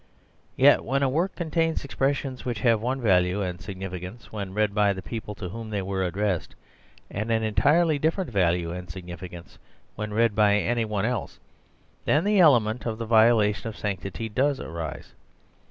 Yet when a work contains expressions which have one value and significance when read by the people to whom they were addressed, and an entirely different value and significance when read by any one else, then the element of the violation of sanctity does arise.